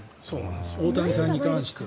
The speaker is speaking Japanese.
大谷さんに関して。